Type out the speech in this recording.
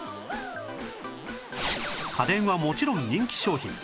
家電はもちろん人気商品